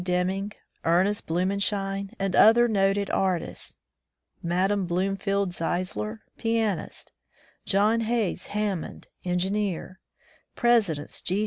Deming, Ernest Blumenschein, and other noted artists; Mme. Bloomfield Zeisler, pianist; John Hays Hanmiond, engineer; Presidents G.